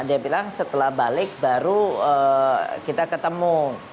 dia bilang setelah balik baru kita ketemu